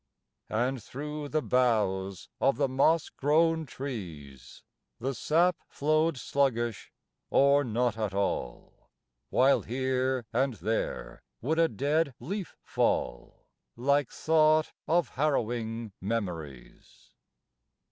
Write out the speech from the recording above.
And thro' the boughs of the moss grown trees The sap flowed sluggish, or not at all, While here and there would a dead leaf fall, Like thought of harrowing memories.